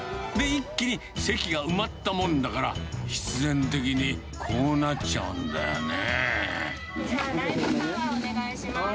一気に席が埋まったもんだから、必然的にこうなっちゃうんだよね。